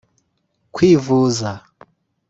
kwivuza